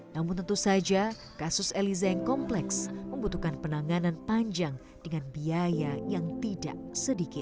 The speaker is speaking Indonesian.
namun tentu saja kasus eliza yang kompleks membutuhkan penanganan panjang dengan biaya yang tidak sedikit